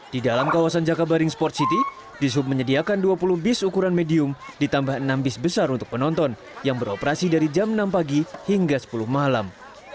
di dalam kawasan jakabaring sport city dishub menyediakan dua puluh bis ukuran medium ditambah enam bis besar untuk penonton yang beroperasi dari jam enam pagi hingga sepuluh malam